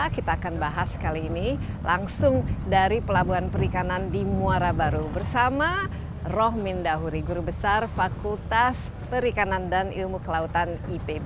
kita akan bahas kali ini langsung dari pelabuhan perikanan di muara baru bersama rohmin dahuri guru besar fakultas perikanan dan ilmu kelautan ipb